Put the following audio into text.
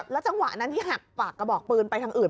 แล้วจังหวะนั้นที่หักปากกระบอกปืนไปทางอื่น